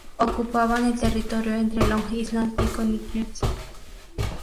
Ocupaban el territorio entre Long Island y Connecticut.